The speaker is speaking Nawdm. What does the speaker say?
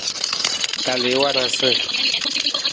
Kal i warasa.